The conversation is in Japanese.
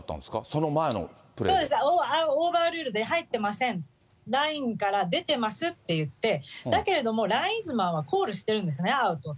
その前のプオーバールールで入ってません、ラインから出てますって言って、だけれども、ラインズマンはコールしてるんですね。